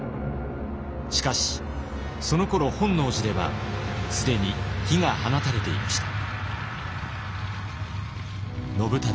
しかしそのころ本能寺では既に火が放たれていました。